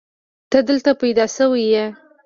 ته دلته پيدا شوې يې.